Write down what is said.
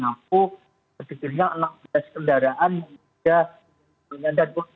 taktronton waju dari arah semarang